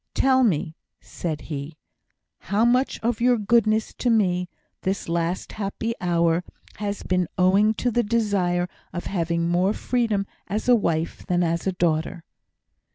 "Tell me," said he, "how much of your goodness to me, this last happy hour, has been owing to the desire of having more freedom as a wife than as a daughter?"